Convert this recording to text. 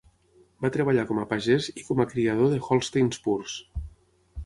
Va treballar com a pagès i com a criador de Holsteins purs.